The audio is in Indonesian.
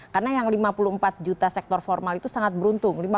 karena yang lima puluh empat juta sektor formal itu sangat beruntung